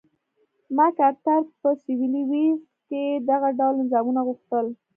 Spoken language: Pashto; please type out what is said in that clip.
مک ارتر په سوېلي ویلز کې دغه ډول نظامونه غوښتل.